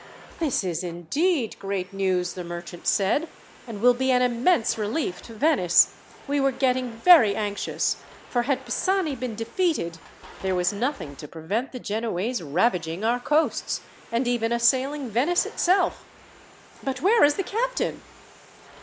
"This is indeed great news," the merchant said, "and will be an immense relief to Venice. We were getting very anxious, for had Pisani been defeated, there was nothing to prevent the Genoese ravaging our coasts, and even assailing Venice itself. But where is the captain?"